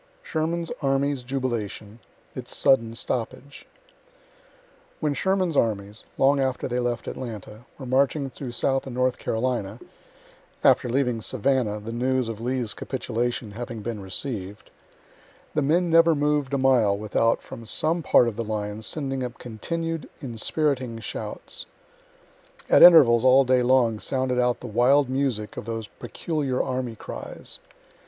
SHERMAN'S ARMY'S JUBILATION ITS SUDDEN STOPPAGE When Sherman's armies, (long after they left Atlanta,) were marching through Southand North Carolina after leaving Savannah, the news of Lee's capitulation having been receiv'd the men never mov'd a mile without from some part of the line sending up continued, inspiriting shouts. At intervals all day long sounded out the wild music of those peculiar army cries.